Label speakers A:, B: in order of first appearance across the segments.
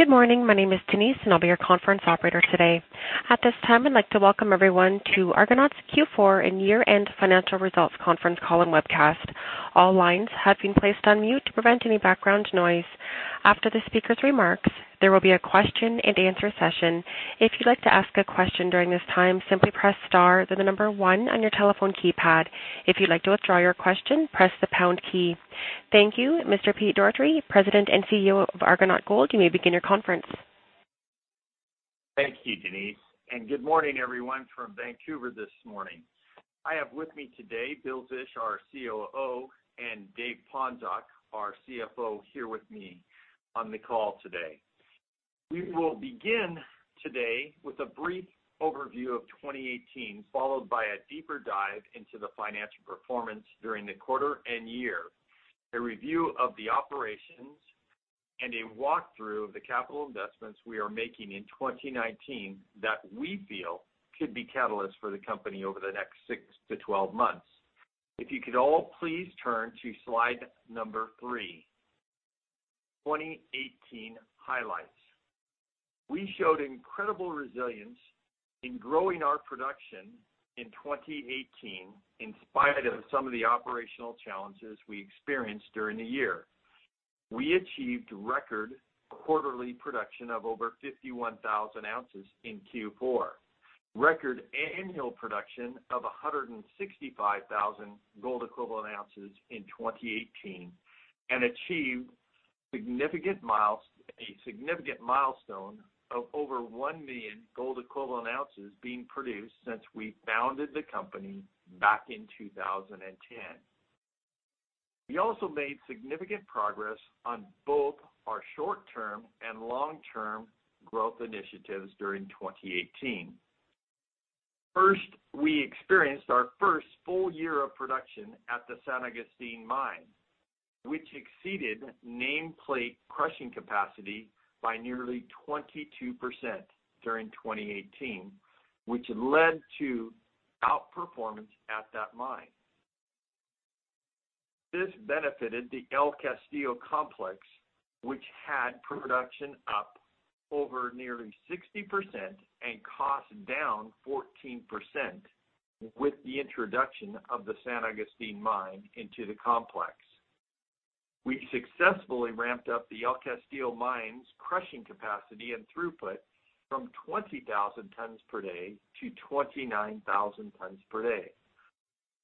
A: Good morning. My name is Denise, and I'll be your conference operator today. At this time, I'd like to welcome everyone to Argonaut's Q4 and year-end financial results conference call and webcast. All lines have been placed on mute to prevent any background noise. After the speaker's remarks, there will be a question and answer session. If you'd like to ask a question during this time, simply press star, then the number one on your telephone keypad. If you'd like to withdraw your question, press the pound key. Thank you. Mr. Pete Dougherty, President and CEO of Argonaut Gold, you may begin your conference.
B: Thank you, Denise. Good morning everyone from Vancouver this morning. I have with me today Bill Zisch, our COO, Dave Ponczoch, our CFO, here with me on the call today. We will begin today with a brief overview of 2018, followed by a deeper dive into the financial performance during the quarter and year, a review of the operations, and a walkthrough of the capital investments we are making in 2019 that we feel could be catalysts for the company over the next 6 to 12 months. If you could all please turn to slide number three, 2018 highlights. We showed incredible resilience in growing our production in 2018, in spite of some of the operational challenges we experienced during the year. We achieved record quarterly production of over 51,000 ounces in Q4, record annual production of 165,000 gold equivalent ounces in 2018. Achieved a significant milestone of over 1 million gold equivalent ounces being produced since we founded the company back in 2010. We also made significant progress on both our short-term and long-term growth initiatives during 2018. First, we experienced our first full year of production at the San Agustin Mine, which exceeded nameplate crushing capacity by nearly 22% during 2018, which led to outperformance at that mine. This benefited the El Castillo Complex, which had production up over nearly 60% and cost down 14% with the introduction of the San Agustin Mine into the complex. We successfully ramped up the El Castillo mine's crushing capacity and throughput from 20,000 tons per day to 29,000 tons per day.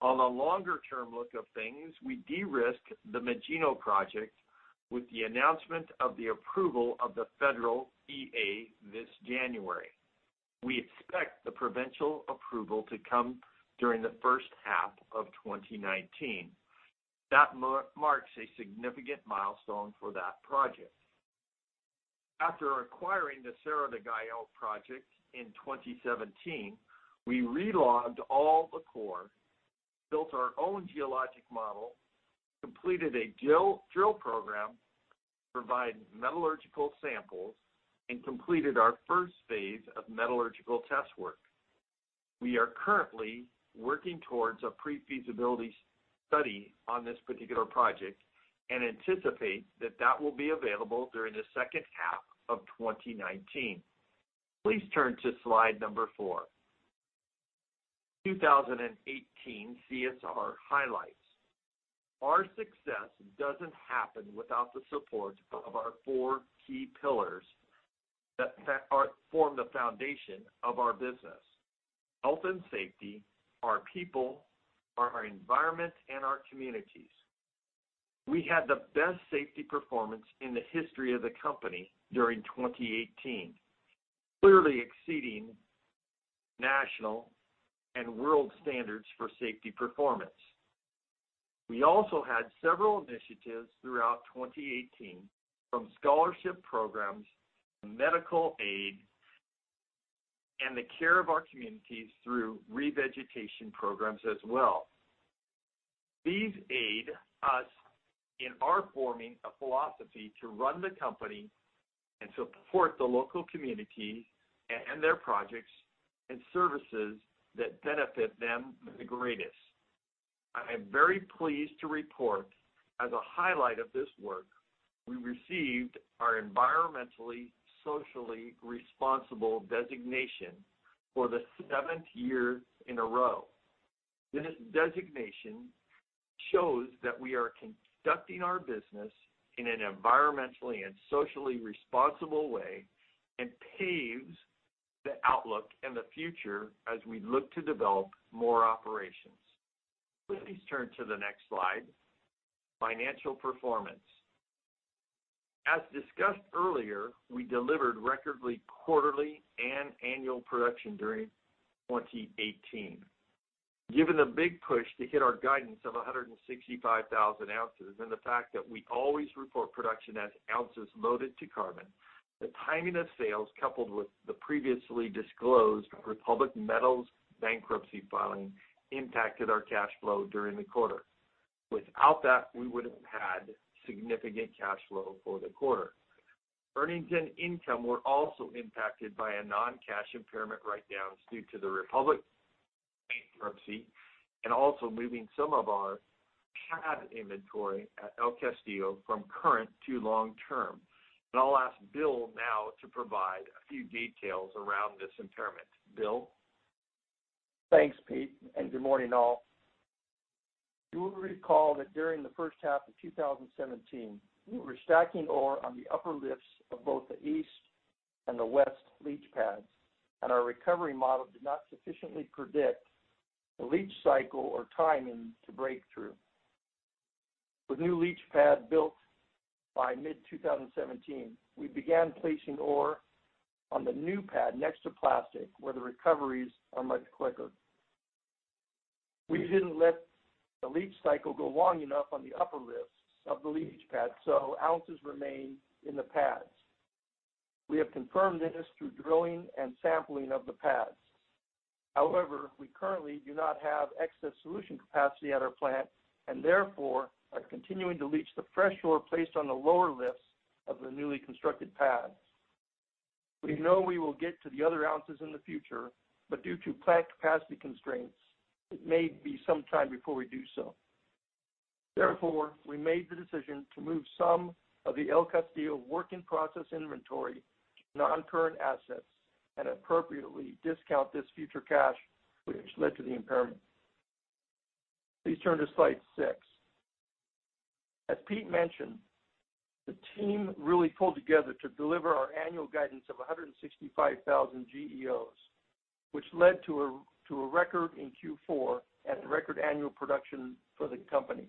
B: On the longer-term look of things, we de-risked the Magino project with the announcement of the approval of the federal EA this January. We expect the provincial approval to come during the first half of 2019. That marks a significant milestone for that project. After acquiring the Cerro del Gallo project in 2017, we re-logged all the core, built our own geologic model, completed a drill program to provide metallurgical samples. Completed our first phase of metallurgical test work. We are currently working towards a pre-feasibility study on this particular project and anticipate that that will be available during the second half of 2019. Please turn to slide number four, 2018 CSR highlights. Our success doesn't happen without the support of our four key pillars that form the foundation of our business, health and safety, our people, our environment, and our communities. We had the best safety performance in the history of the company during 2018, clearly exceeding national and world standards for safety performance. We also had several initiatives throughout 2018, from scholarship programs to medical aid and the care of our communities through revegetation programs as well. These aid us in our forming a philosophy to run the company and support the local community and their projects and services that benefit them the greatest. I am very pleased to report, as a highlight of this work, we received our environmentally, socially responsible designation for the seventh year in a row. This designation shows that we are conducting our business in an environmentally and socially responsible way and paves the outlook and the future as we look to develop more operations. Please turn to the next slide, financial performance. As discussed earlier, we delivered record quarterly and annual production during 2018. Given the big push to hit our guidance of 165,000 ounces, and the fact that we always report production as ounces loaded to carbon, the timing of sales, coupled with the previously disclosed Republic Metals bankruptcy filing, impacted our cash flow during the quarter. Without that, we would have had significant cash flow for the quarter. Earnings and income were also impacted by a non-cash impairment write-down due to the Republic Metals, and also moving some of our pad inventory at El Castillo from current to long term. I'll ask Bill now to provide a few details around this impairment. Bill?
C: Thanks, Pete, and good morning all. You will recall that during the first half of 2017, we were stacking ore on the upper lifts of both the east and the west leach pads, and our recovery model did not sufficiently predict the leach cycle or timing to break through. With new leach pad built by mid-2017, we began placing ore on the new pad next to plastic, where the recoveries are much quicker. We didn't let the leach cycle go long enough on the upper lifts of the leach pad, so ounces remained in the pads. We have confirmed this through drilling and sampling of the pads. However, we currently do not have excess solution capacity at our plant and therefore are continuing to leach the fresh ore placed on the lower lifts of the newly constructed pad. We know we will get to the other ounces in the future, but due to plant capacity constraints, it may be some time before we do so. Therefore, we made the decision to move some of the El Castillo work-in-process inventory to non-current assets and appropriately discount this future cash, which led to the impairment. Please turn to slide six. As Pete mentioned, the team really pulled together to deliver our annual guidance of 165,000 GEOs, which led to a record in Q4 and a record annual production for the company.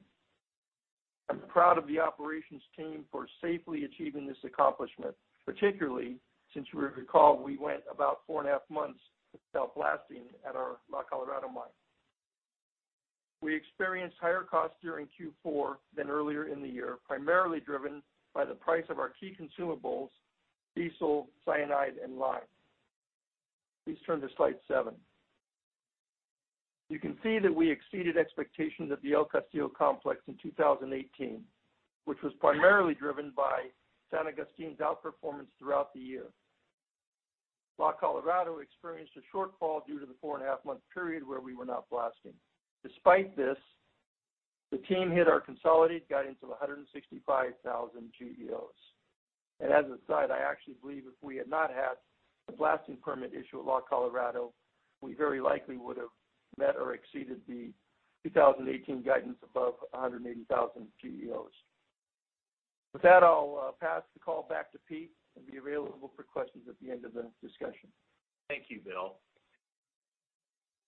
C: I'm proud of the operations team for safely achieving this accomplishment, particularly since you'll recall we went about four and a half months without blasting at our La Colorada mine. We experienced higher costs during Q4 than earlier in the year, primarily driven by the price of our key consumables, diesel, cyanide and lime. Please turn to slide seven. You can see that we exceeded expectations at the El Castillo complex in 2018, which was primarily driven by San Agustin's outperformance throughout the year. La Colorada experienced a shortfall due to the four-and-a-half-month period where we were not blasting. Despite this, the team hit our consolidated guidance of 165,000 GEOs. As an aside, I actually believe if we had not had the blasting permit issue at La Colorada, we very likely would have met or exceeded the 2018 guidance above 180,000 GEOs. With that, I'll pass the call back to Pete and be available for questions at the end of the discussion.
B: Thank you, Bill.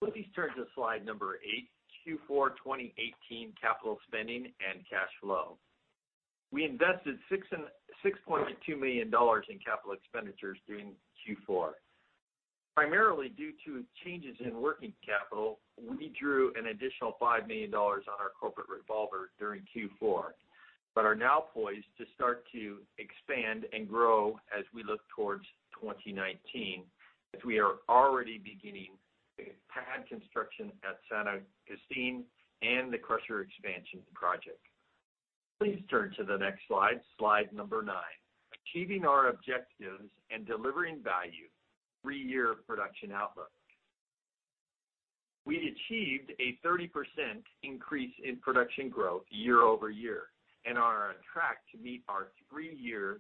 B: Please turn to slide number eight, Q4 2018 capital spending and cash flow. We invested $6.2 million in capital expenditures during Q4. Primarily due to changes in working capital, we drew an additional $5 million on our corporate revolver during Q4. We are now poised to start to expand and grow as we look towards 2019, as we are already beginning pad construction at San Agustin and the crusher expansion project. Please turn to the next slide number nine. Achieving our objectives and delivering value, three-year production outlook. We achieved a 30% increase in production growth year-over-year and are on track to meet our three-year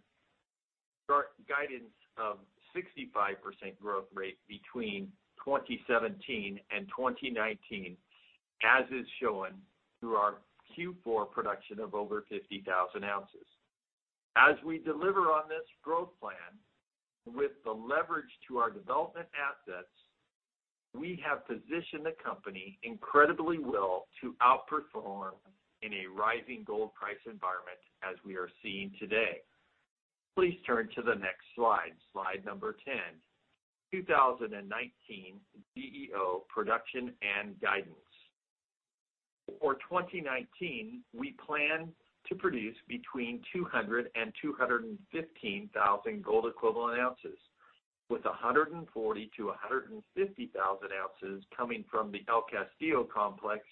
B: guidance of 65% growth rate between 2017 and 2019, as is shown through our Q4 production of over 50,000 ounces. As we deliver on this growth plan with the leverage to our development assets, we have positioned the company incredibly well to outperform in a rising gold price environment as we are seeing today. Please turn to the next slide number 10. 2019 GEO production and guidance. For 2019, we plan to produce between 200,000 and 215,000 gold equivalent ounces, with 140,000 to 150,000 ounces coming from the El Castillo complex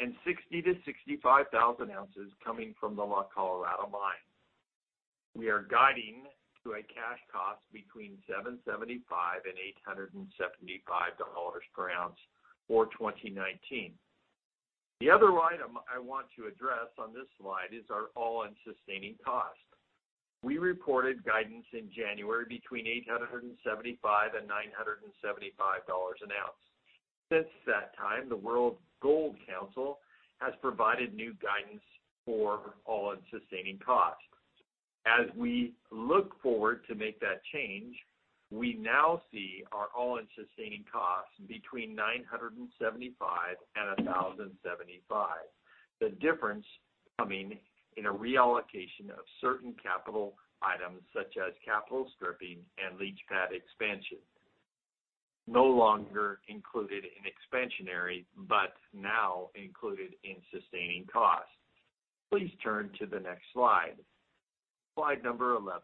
B: and 60,000 to 65,000 ounces coming from the La Colorada Mine. We are guiding to a cash cost between $775 and $875 per ounce for 2019. The other item I want to address on this slide is our all-in sustaining cost. We reported guidance in January between $875 and $975 an ounce. Since that time, the World Gold Council has provided new guidance for all-in sustaining costs. As we look forward to make that change, we now see our all-in sustaining costs between $975 and $1,075. The difference coming in a reallocation of certain capital items such as capital stripping and leach pad expansion, no longer included in expansionary, but now included in sustaining costs. Please turn to the next slide number 11.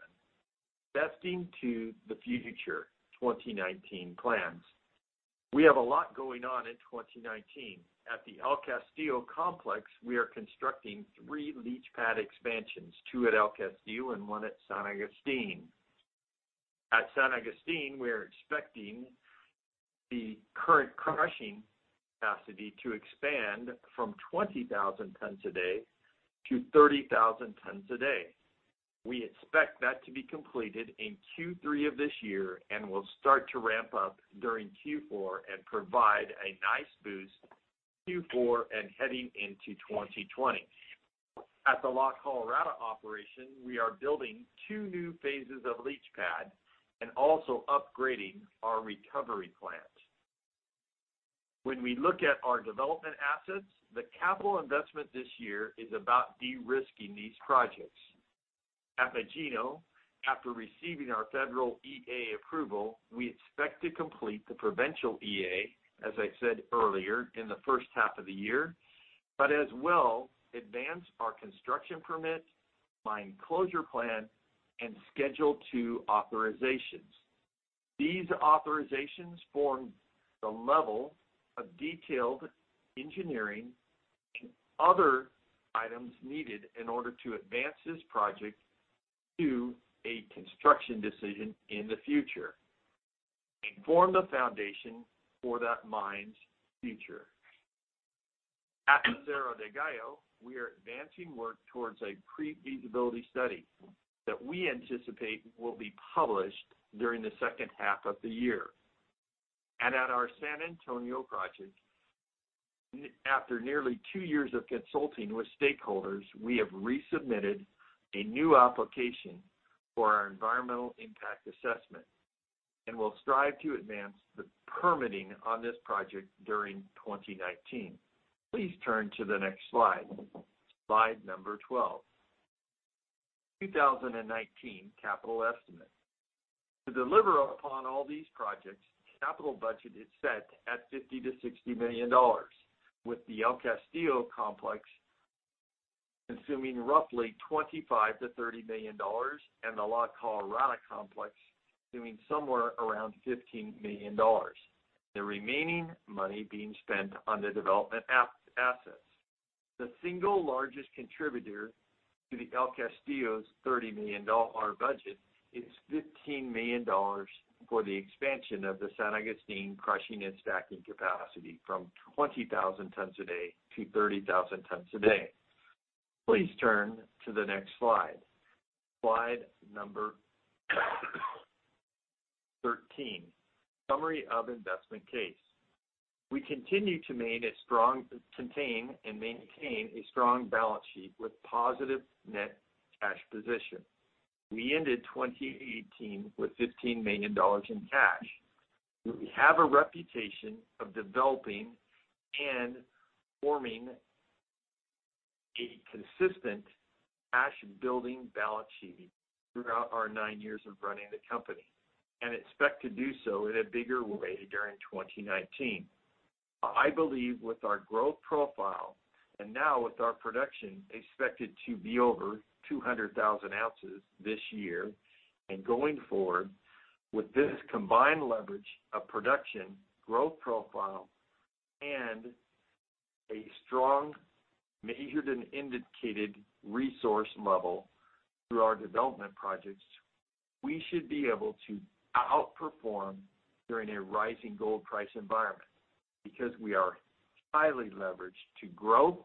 B: Investing to the future, 2019 plans. We have a lot going on in 2019. At the El Castillo complex, we are constructing three leach pad expansions, two at El Castillo and one at San Agustin. At San Agustin, we're expecting the current crushing capacity to expand from 20,000 tons a day to 30,000 tons a day. We expect that to be completed in Q3 of this year and will start to ramp up during Q4 and provide a nice boost Q4 and heading into 2020. At the La Colorada operation, we are building two new phases of leach pad and also upgrading our recovery plant. When we look at our development assets, the capital investment this year is about de-risking these projects. At Magino, after receiving our federal EA approval, we expect to complete the provincial EA, as I said earlier, in the first half of the year, as well advance our construction permit, mine closure plan, and Schedule 2 authorizations. These authorizations form the level of detailed engineering and other items needed in order to advance this project to a construction decision in the future and form the foundation for that mine's future. At Cerro del Gallo, we are advancing work towards a pre-feasibility study that we anticipate will be published during the second half of the year. At our San Antonio project, after nearly two years of consulting with stakeholders, we have resubmitted a new application for our environmental impact assessment and will strive to advance the permitting on this project during 2019. Please turn to the next slide. Slide number 12. 2019 capital estimate. To deliver upon all these projects, capital budget is set at $50 million-$60 million, with the El Castillo complex consuming roughly $25 million-$30 million and the La Colorada complex doing somewhere around $15 million. The remaining money being spent on the development assets. The single largest contributor to the El Castillo's $30 million budget is $15 million for the expansion of the San Agustin crushing and stacking capacity from 20,000 tons a day-30,000 tons a day. Please turn to the next slide. Slide number 13. Summary of investment case. We continue to maintain a strong balance sheet with positive net cash position. We ended 2018 with $15 million in cash. We have a reputation of developing and forming a consistent cash-building balance sheet throughout our nine years of running the company and expect to do so in a bigger way during 2019. I believe with our growth profile and now with our production expected to be over 200,000 ounces this year and going forward, with this combined leverage of production, growth profile, and a strong measured and indicated resource level through our development projects, we should be able to outperform during a rising gold price environment because we are highly leveraged to grow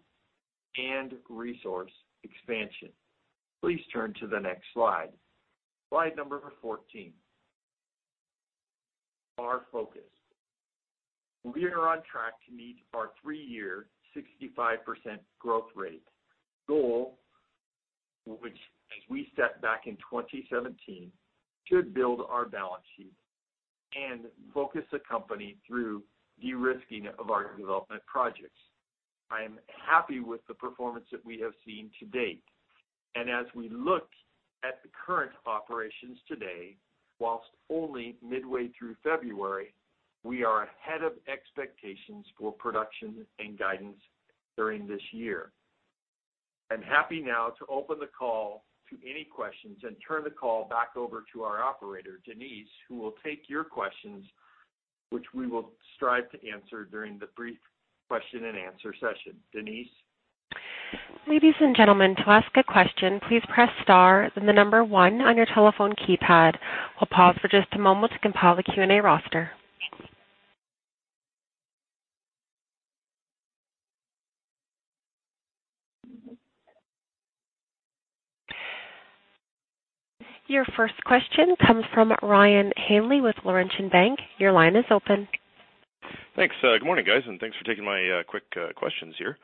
B: and resource expansion. Please turn to the next slide. Slide number 14. Our focus. We are on track to meet our three-year, 65% growth rate goal, which as we set back in 2017, should build our balance sheet and focus the company through de-risking of our development projects. I am happy with the performance that we have seen to date. As we look at the current operations today, whilst only midway through February, we are ahead of expectations for production and guidance during this year. I'm happy now to open the call to any questions and turn the call back over to our operator, Denise, who will take your questions, which we will strive to answer during the brief question and answer session. Denise?
A: Ladies and gentlemen, to ask a question, please press star, then the number 1 on your telephone keypad. We'll pause for just a moment to compile the Q&A roster. Your first question comes from Ryan Hanley with Laurentian Bank. Your line is open.
D: Thanks. Good morning, guys, and thanks for taking my quick questions here.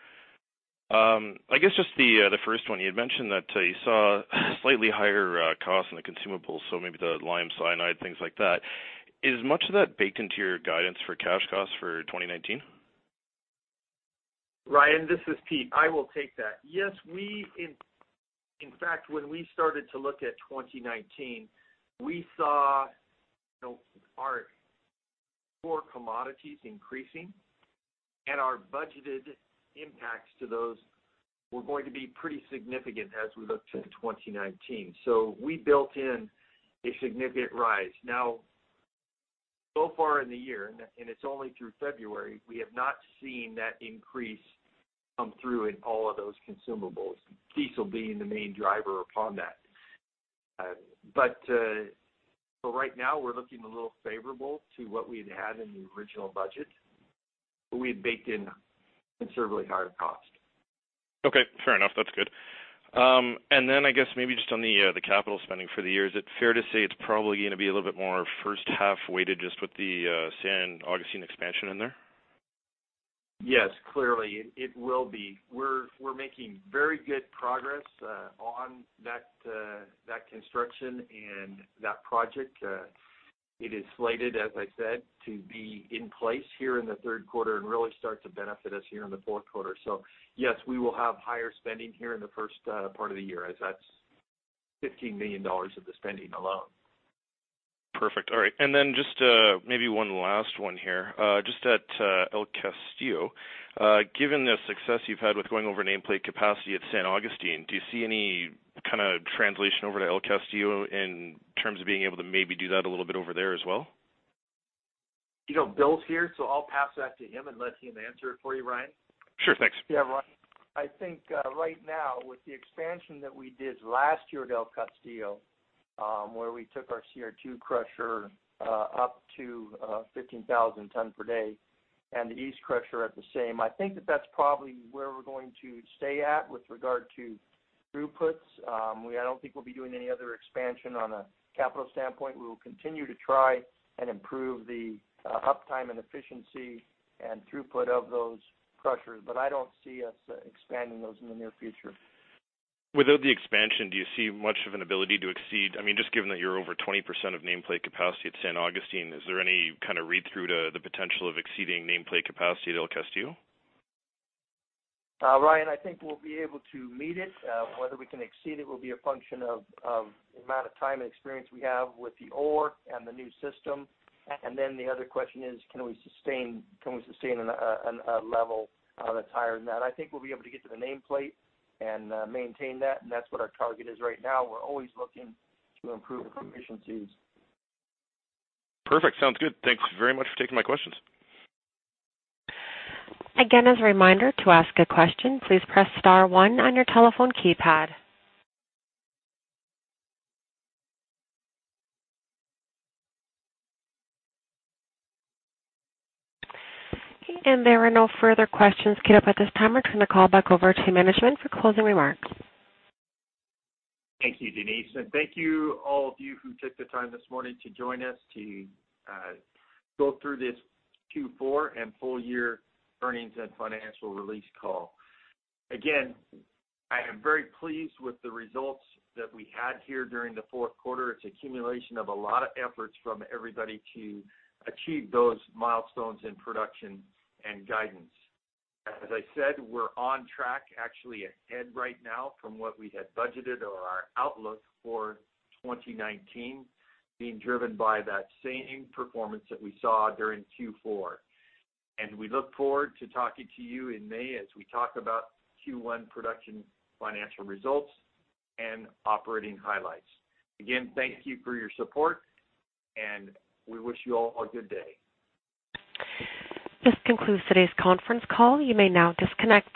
D: I guess just the first one, you had mentioned that you saw slightly higher costs in the consumables, so maybe the lime cyanide, things like that. Is much of that baked into your guidance for cash costs for 2019?
B: Ryan, this is Pete. I will take that. Yes, in fact, when we started to look at 2019, we saw our core commodities increasing and our budgeted impacts to those were going to be pretty significant as we looked to 2019. We built in a significant rise. Now, so far in the year, and it's only through February, we have not seen that increase come through in all of those consumables, diesel being the main driver upon that. Right now, we're looking a little favorable to what we'd had in the original budget, where we had baked in considerably higher costs.
D: Okay, fair enough. That's good. Then I guess maybe just on the capital spending for the year, is it fair to say it's probably going to be a little bit more first half-weighted just with the San Agustin expansion in there?
B: Yes, clearly it will be. We are making very good progress on that construction and that project. It is slated, as I said, to be in place here in the third quarter and really start to benefit us here in the fourth quarter. Yes, we will have higher spending here in the first part of the year, as that is $15 million of the spending alone.
D: Perfect. All right. Just maybe one last one here. Just at El Castillo, given the success you have had with going over nameplate capacity at San Agustin, do you see any kind of translation over to El Castillo in terms of being able to maybe do that a little bit over there as well?
B: Bill is here, I will pass that to him and let him answer it for you, Ryan.
D: Sure. Thanks.
C: Yeah, Ryan. I think right now, with the expansion that we did last year at El Castillo, where we took our CR2 crusher up to 15,000 tons per day and the east crusher at the same, I think that that's probably where we're going to stay at with regard to throughputs. I don't think we'll be doing any other expansion on a capital standpoint. We will continue to try and improve the uptime and efficiency and throughput of those crushers. I don't see us expanding those in the near future.
D: Without the expansion, do you see much of an ability to exceed? Just given that you're over 20% of nameplate capacity at San Agustin, is there any kind of read-through to the potential of exceeding nameplate capacity at El Castillo?
C: Ryan, I think we'll be able to meet it. Whether we can exceed it will be a function of the amount of time and experience we have with the ore and the new system. The other question is, can we sustain a level that's higher than that? I think we'll be able to get to the nameplate and maintain that, and that's what our target is right now. We're always looking to improve efficiencies.
D: Perfect. Sounds good. Thanks very much for taking my questions.
A: Again, as a reminder, to ask a question, please press *1 on your telephone keypad. There are no further questions queued up at this time. I turn the call back over to management for closing remarks.
B: Thank you, Denise. Thank you, all of you, who took the time this morning to join us to go through this Q4 and full year earnings and financial release call. Again, I am very pleased with the results that we had here during the fourth quarter. It's accumulation of a lot of efforts from everybody to achieve those milestones in production and guidance. As I said, we're on track, actually ahead right now from what we had budgeted or our outlook for 2019, being driven by that same performance that we saw during Q4. We look forward to talking to you in May as we talk about Q1 production financial results and operating highlights. Again, thank you for your support, and we wish you all a good day.
A: This concludes today's conference call. You may now disconnect.